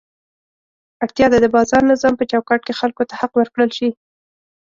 اړتیا ده د بازار نظام په چوکاټ کې خلکو ته حق ورکړل شي.